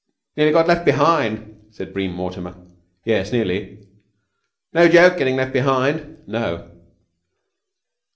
"Nearly got left behind," said Bream Mortimer. "Yes, nearly." "No joke getting left behind." "No."